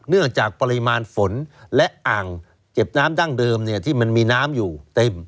เนื่องจากปริมาณฝนและอ่างเก็บน้ำดั้งเดิมเนี่ยที่มันมีน้ำอยู่เต็ม